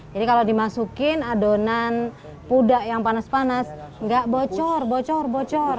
jadi kalau dimasukin adonan pudak yang panas panas tidak bocor bocor bocor